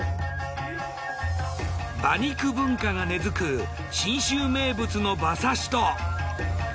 馬肉文化が根付く信州名物の馬刺しと。